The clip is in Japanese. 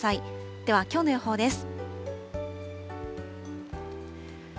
ではきょうの予報です。